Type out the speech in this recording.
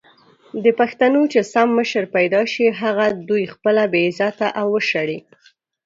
د پښتنو چې سم مشر پېدا سي هغه دوي خپله بې عزته او وشړي!